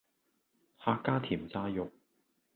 客家甜炸肉